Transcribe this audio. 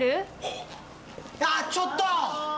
あっちょっと！